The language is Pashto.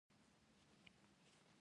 د رحم د پاکوالي لپاره د څه شي چای وڅښم؟